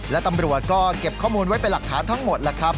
และตำรวจก็เก็บข้อมูลไว้เป็นหลักฐานทั้งหมดแล้วครับ